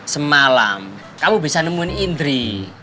semalam kamu bisa nemuin indri